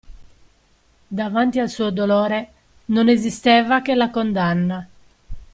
Davanti al suo dolore non esisteva che la condanna.